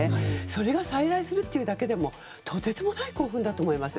それが再来するというだけでもとてつもない興奮だと思います。